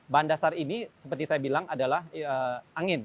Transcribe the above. bahan dasar ini seperti saya bilang adalah angin